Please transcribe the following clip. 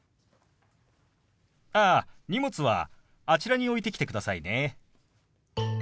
ああ荷物はあちらに置いてきてくださいね。